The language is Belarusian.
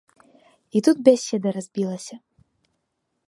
І тут бяседа разбілася.